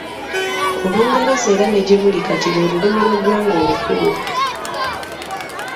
Olungereza era ne gyebuli kati lwe lulimi lw’eggwanga olukulu.